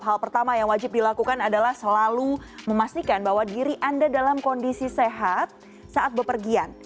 hal pertama yang wajib dilakukan adalah selalu memastikan bahwa diri anda dalam kondisi sehat saat bepergian